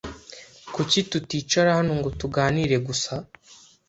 Kuki tuticara hano ngo tuganire gusa?